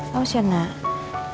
haus ya nak